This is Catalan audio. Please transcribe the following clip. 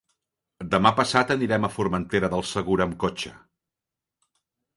Demà passat anirem a Formentera del Segura amb cotxe.